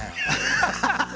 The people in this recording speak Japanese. ハハハハ！